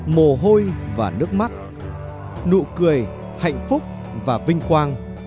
mồ hôi và nước mắt nụ cười hạnh phúc và vinh quang